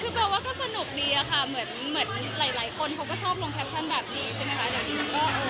คือเบลว่าก็สนุกดีอะค่ะเหมือนเหมือนหลายคนเขาก็ชอบลงแคปชั่นแบบนี้ใช่ไหมคะเดี๋ยวดิฉันก็เออ